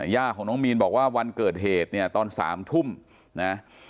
ย่าของน้องมีนบอกว่าวันเกิดเหตุเนี่ยตอน๓ทุ่มนะ